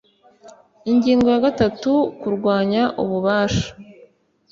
ingingo ya gatatu kurwanya ububasha